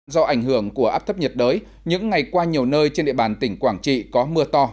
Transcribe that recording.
do ảnh hưởng của áp thấp nhiệt đới những ngày qua nhiều nơi trên địa bàn tỉnh quảng trị có mưa to